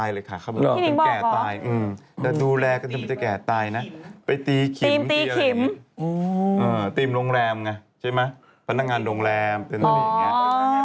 พี่นิ่งบอกเหรออืมแต่ดูแลก็ไม่จะแก่ตายนะไปตีขิมที่อะไรอืมตีมโรงแรมไงใช่ไหมพนักงานโรงแรมเป็นอะไรอย่างนี้